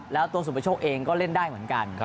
แล้วตัวสุประโชคเองก็เล่นได้เหมือนกัน